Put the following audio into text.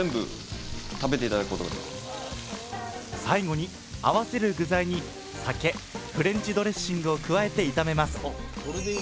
最後に合わせる具材に酒フレンチドレッシングを加えて炒めます。